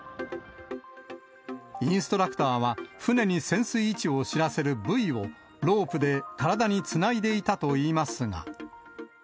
インストラクターは、船に潜水位置を知らせるブイを、ロープで体につないでいたといいますが。